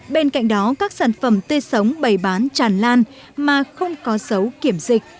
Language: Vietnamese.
bên cạnh đó các sản phẩm tươi sống bày bán tràn lan mà không có dấu kiểm dịch